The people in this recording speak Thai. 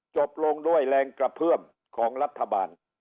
จบลงด้วยแรงกระเพื่อมของรัฐบาล